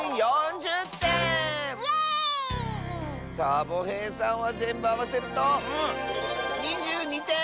サボへいさんはぜんぶあわせると２２てん！